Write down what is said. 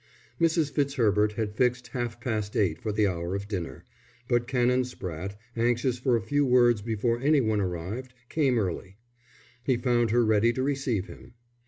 XV Mrs. Fitzherbert had fixed half past eight for the hour of dinner, but Canon Spratte, anxious for a few words before any one arrived, came early. He found her ready to receive him.